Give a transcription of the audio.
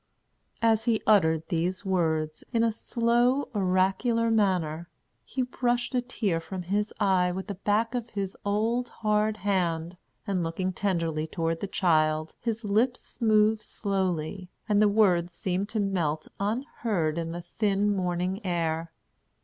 As he uttered these words, in a slow, oracular manner, he brushed a tear from his eye with the back of his old, hard hand, and looking tenderly toward the child, his lips moved slowly, and the words seemed to melt unheard in the thin, morning air.